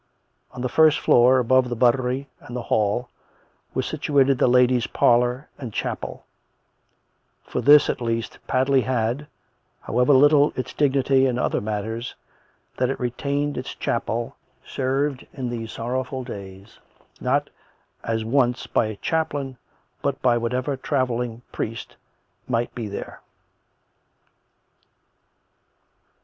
On the first floor, above the buttery and the hall, were situated the ladies' parlour and chapel; for this, at least, Padley had, however little its dignity in other matters, that it retained its' chapel served in these sorrowful days not, as once, by a chaplain, but by what ever travelling priest might be there.